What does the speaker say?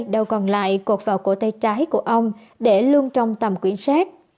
đâu còn lại cột vào cổ tay trái của ông để luôn trong tầm quyển sát